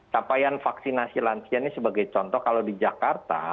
capaian vaksinasi lansia ini sebagai contoh kalau di jakarta